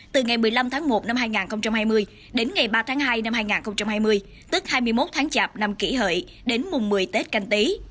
từ ngày một mươi năm tháng một năm hai nghìn hai mươi đến ngày ba tháng hai năm hai nghìn hai mươi tức hai mươi một tháng chạp năm kỷ hợi đến mùng một mươi tết canh tí